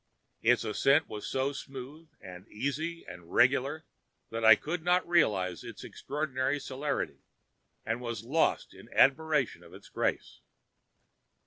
Its ascent was so smooth and easy and regular that I could not realize its extraordinary celerity, and was lost in admiration of its grace.